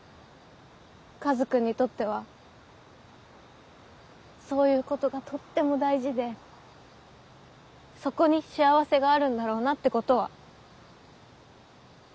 カズくんにとってはそういうことがとっても大事でそこに幸せがあるんだろうなってことは。